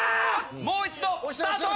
もう一度スタート！